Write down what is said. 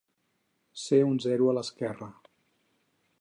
Ser un zero a l'esquerra.